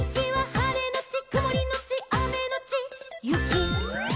「はれのちくもりのちあめのちゆき」